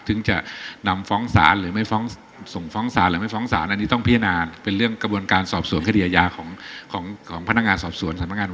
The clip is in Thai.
ทั้งจะต้องนำฟ้องสารหรือไม่ฟ้องสารอันนี้ต้องพินาญเป็นเรื่องกระบวนการสอบสวนคดีอาญาของพนักงานสอบสวน